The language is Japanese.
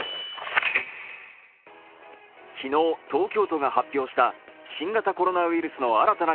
昨日、東京都が発表した新型コロナウイルスの新たな